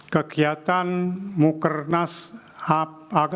kegiatan mukernas asosiasi pedagang